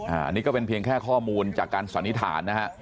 อันนี้ก็เป็นเพียงแค่ข้อมูลจากการสันนิษฐานนะฮะ